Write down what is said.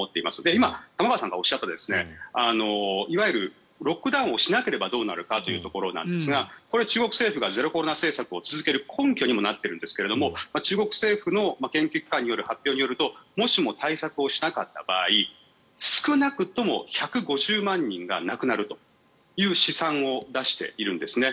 今、玉川さんがおっしゃったいわゆるロックダウンをしなければどうなるかというところなんですがこれ、中国政府がゼロコロナ政策を続ける根拠にもなっているんですけど中国政府の研究機関による発表によるともしかして対策しなかった場合少なくとも１５０万人が亡くなるという試算を出しているんですね。